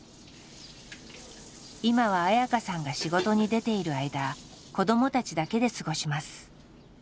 今は綾香さんが仕事に出ている間子どもたちだけで過ごします。